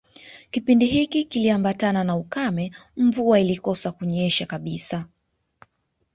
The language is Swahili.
Kipindi hiki kiliambatana na ukame Mvua ilikosa kunyesha kabisa